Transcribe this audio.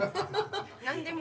何でも。